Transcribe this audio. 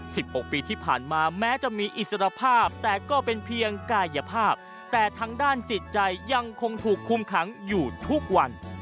ปีที่ผ่านมาแม้จะมีอิสรภาพแต่ก็เป็นเพียงกายภาพแต่ทางด้านจิตใจยังคงถูกคุมขังอยู่ทุกวัน